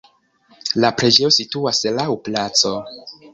La preĝejo situas laŭ placo.